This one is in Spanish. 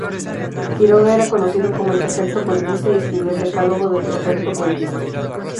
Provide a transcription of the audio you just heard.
Quiroga, era conocido como el perfecto cuentista y escribió el Decálogo del perfecto cuentista.